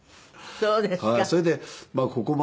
そうですか。